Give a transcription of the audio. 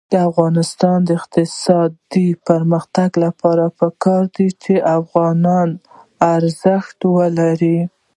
د افغانستان د اقتصادي پرمختګ لپاره پکار ده چې افغانۍ ارزښت ولري.